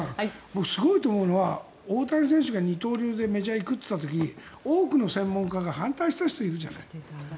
僕、すごいと思うのは大谷選手が二刀流でメジャーに行くと言った時多くの専門家が反対した人いるじゃない。